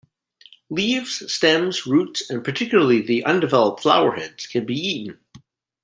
Leaves, stems, roots, and particularly the undeveloped flowerheads can be eaten.